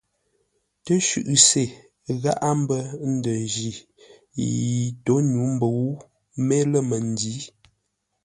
Təshʉʼ se gháʼá mbə́ ndənji yi tô nyû mbəu mé lə̂ məndǐ.